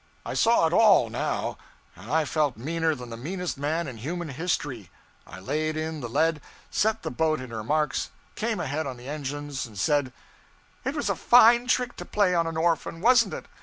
I saw it all, now, and I felt meaner than the meanest man in human history. I laid in the lead, set the boat in her marks, came ahead on the engines, and said 'It was a fine trick to play on an orphan, wasn't it?